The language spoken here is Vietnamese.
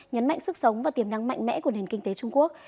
nhấn mạnh sức sống và tiềm năng mạnh mẽ của nền kinh tế trung quốc